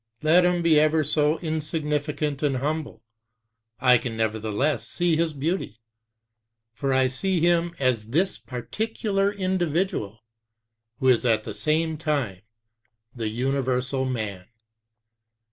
Let him be ever so insignificant and humble, I can nevertheless see his beauty; for I see him as this particular individual who is at the same time the universal man.